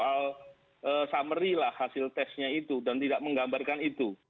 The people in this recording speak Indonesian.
soal summary lah hasil tesnya itu dan tidak menggambarkan itu